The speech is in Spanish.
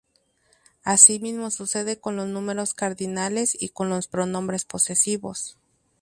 Así mismo sucede con los números cardinales y con los pronombres posesivos.